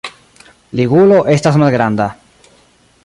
Ligulo estas malgranda.